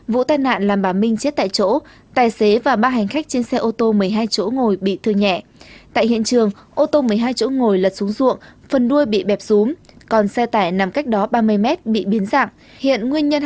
vụ tai nạn làm bà minh chết tại chỗ tài xế và ba hành khách trên xe ô tô một mươi hai chỗ ngồi bị thương nhẹ tại hiện trường ô tô một mươi hai chỗ ngồi lật xuống ruộng phần đuôi bị bẹp xuống còn xe tải nằm cách đó ba mươi mét bị biến dạng